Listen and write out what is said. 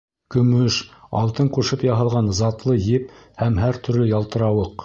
Көмөш, алтын ҡушып яһалған затлы еп һәм һәр төрлө ялтырауыҡ.